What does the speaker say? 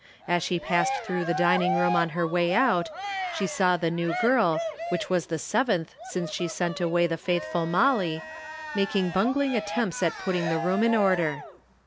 As she passed through the dining room on her way out she saw the new girl, which was the seventh since she sent away the faithful Molly, making bungling attempts at putting the room in order.